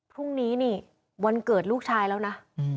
พรุ่งนี้นี่วันเกิดลูกชายแล้วนะ